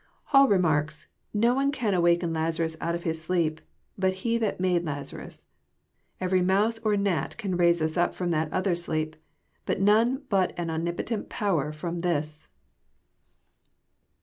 " Hall remarks :<* None can awaken Lazarus out of this sleep, but He that made Lazarus. Every mouse or gnat can raise us up from that other sleep ; none but an omnipotent power f^om this."